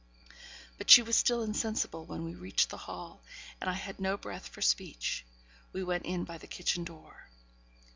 But she was still insensible when we reached the hall, and I had no breath for speech. We went in by the kitchen door.